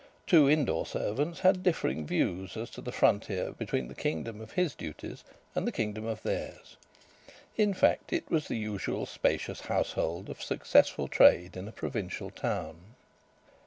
Two indoor servants had differing views as to the frontier between the kingdom of his duties and the kingdom of theirs, in fact, it was the usual spacious household of successful trade in a provincial town.